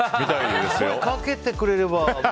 声かけてくれれば。